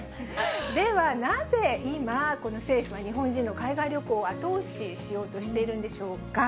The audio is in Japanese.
では、なぜ今、この政府は日本人の海外旅行を後押ししようとしているんでしょうか。